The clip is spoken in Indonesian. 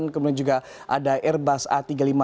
kemudian juga ada airbus a tiga ratus lima puluh